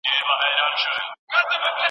د ژوند حق د هر چا مسلم حق دی.